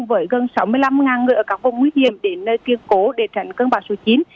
với gần sáu mươi năm người ở các vùng nguy hiểm để nơi tiên cổ để tránh cơn bão số chín